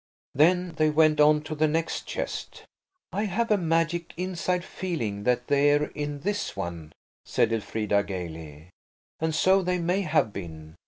Then they went on to the next chest. "I have a magic inside feeling that they're in this one," said Elfrida gaily. And so they may have been.